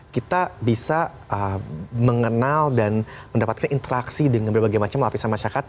kita bisa mengenal dan mendapatkan interaksi dengan berbagai macam lapisan masyarakat